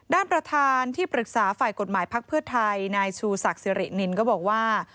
ด้านประธานที่ปรึกษาฝ่ายกฎหมายพักเพื่อไทยนายชูศักดิ์สิรินินก็บอกว่า